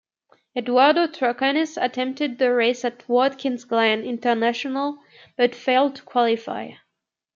Eduardo Troconis attempted the race at Watkins Glen International, but failed to qualify.